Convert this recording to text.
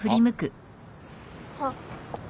あっ。